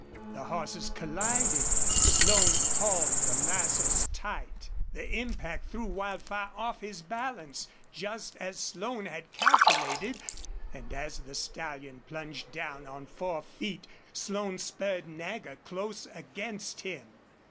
The horses collided. Slone hauled the lassoes tight. The impact threw Wildfire off his balance, just as Slone had calculated, and as the stallion plunged down on four feet Slone spurred Nagger close against him.